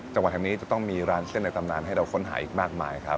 จังหวัดแห่งนี้จะต้องมีร้านเส้นในตำนานให้เราค้นหาอีกมากมายครับ